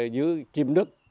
dưới triêm đức